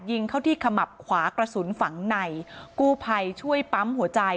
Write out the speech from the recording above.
ยิงเข้าที่ขมับขวากระสุนฝังในกู้ภัยช่วยปั๊มหัวใจ